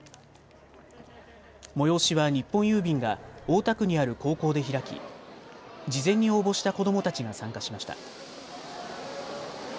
催しは日本郵便が大田区にある高校で開き事前に応募した子どもたちが参加しました。